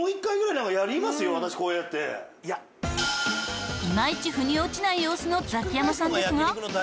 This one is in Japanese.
いまいち腑に落ちない様子のザキヤマさんですが。